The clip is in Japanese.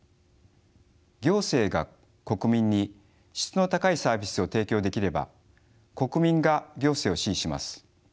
行政が国民に質の高いサービスを提供できれば国民が行政を支持します。